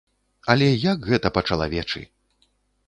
Але як гэта па-чалавечы!